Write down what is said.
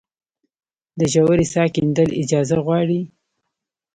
د ژورې څاه کیندل اجازه غواړي؟